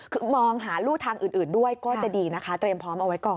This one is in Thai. คือมองหารู่ทางอื่นด้วยก็จะดีนะคะเตรียมพร้อมเอาไว้ก่อน